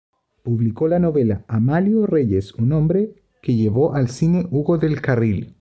Publicó la novela "Amalio Reyes un hombre", que llevó al cine Hugo del Carril.